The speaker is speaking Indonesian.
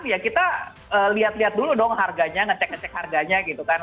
ya kita lihat lihat dulu dong harganya ngecek ngecek harganya gitu kan